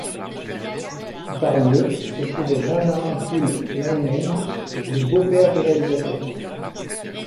Parmi eux se trouvait Benjamin Pule Leinaeng, le beau-père du réalisateur.